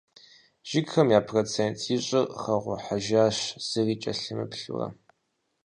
Жыгхэм я процент ищӏыр хэгъухьыжащ зыри кӀэлъымыплъурэ.